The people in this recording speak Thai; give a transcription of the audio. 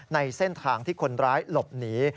ในเส้นทางที่คนร้ายหลบหนี